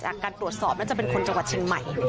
จากการตรวจสอบน่าจะเป็นคนจังหวัดเชียงใหม่